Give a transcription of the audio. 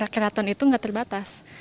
keraton itu nggak terbatas